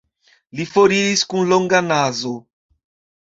Li foriris kun longa nazo.